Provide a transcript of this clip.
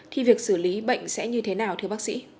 thì việc xử lý bệnh sẽ như thế nào thưa bác sĩ